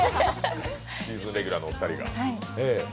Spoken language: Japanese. シーズンレギュラーのお二人が。